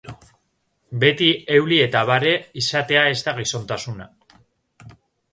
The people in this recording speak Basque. Beti euli eta bare izatea ez da gizontasuna.